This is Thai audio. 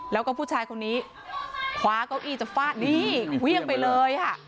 แล้วก็ผู้ชายคนนี้คว้าก้าวอีกจะเฟาะนี่เฟรียนไปเลยฮะ